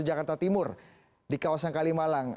jakarta timur di kawasan kalimalang